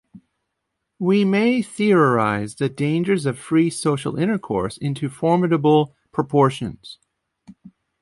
We may theorize the dangers of free social intercourse into formidable proportions.